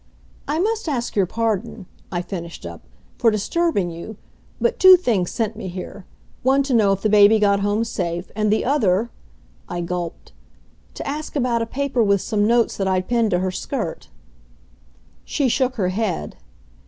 "I must ask your pardon," I finished up, "for disturbing you, but two things sent me here one to know if the baby got home safe, and the other," I gulped, "to ask about a paper with some notes that I'd pinned to her skirt." She shook her head.